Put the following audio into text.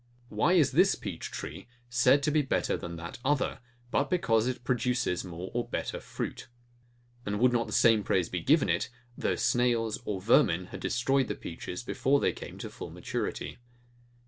Why is this peach tree said to be better than that other; but because it produces more or better fruit? And would not the same praise be given it, though snails or vermin had destroyed the peaches, before they came to full maturity?